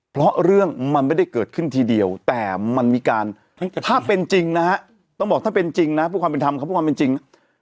เพราะเรื่องมันไม่ได้เกิดขึ้นทีเดียวแต่มันมีการถ้าเป็นจริงนะฮะต้องบอกถ้าเป็นจริงนะเพื่อความเป็นธรรมเขาพูดความเป็นจริง